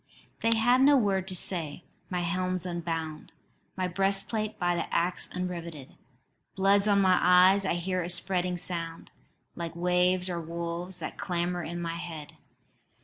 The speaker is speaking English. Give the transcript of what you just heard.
"They have no word to say: my helm's unbound, My breastplate by the axe unriveted: Blood's on my eyes; I hear a spreading sound, Like waves or wolves that clamour in my head.